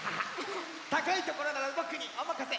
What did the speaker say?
たかいところならぼくにおまかせ！